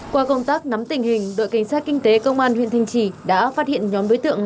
qua công tác nắm tình hình đội cảnh sát kinh tế công an huyện thanh trì đã phát hiện nhóm đối tượng